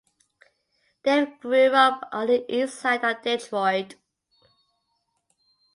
Dave grew up on the eastside of Detroit.